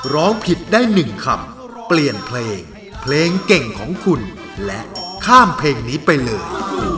ร้องผิดได้๑คำเปลี่ยนเพลงเพลงเก่งของคุณและข้ามเพลงนี้ไปเลย